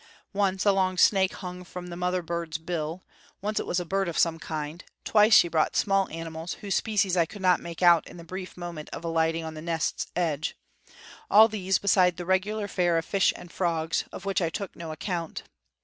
Once a long snake hung from the mother bird's bill; once it was a bird of some kind; twice she brought small animals, whose species I could not make out in the brief moment of alighting on the nest's edge, all these besides the regular fare of fish and frogs, of which I took no account.